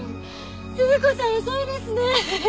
鈴子さん遅いですね